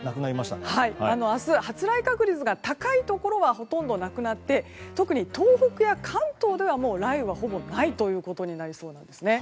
明日、発雷確率が高いところはほとんどなくなって特に東北や関東では雷雨はほぼないということになりそうです。